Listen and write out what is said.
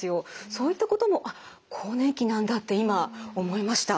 そういったこともあっ更年期なんだって今思いました。